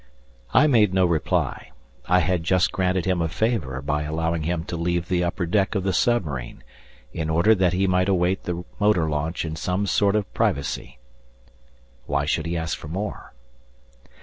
I made no reply; I had just granted him a favour by allowing him to leave the upper deck of the submarine, in order that he might await the motor launch in some sort of privacy; why should he ask for more?